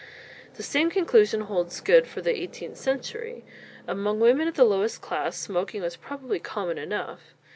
The same conclusion holds good for the eighteenth century. Among women of the lowest class smoking was probably common enough.